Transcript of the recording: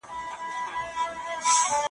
خدایه تیارې مي د سلګیو له اسمانه نه ځي .